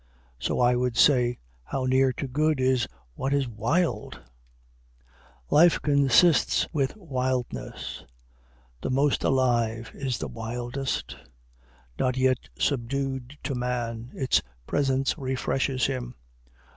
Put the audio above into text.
So I would say, How near to good is what is wild! Life consists with wildness. The most alive is the wildest. Not yet subdued to man, its presence refreshes him.